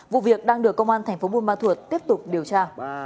vụ việc đang được công an tp bunma thuộc tiếp tục điều tra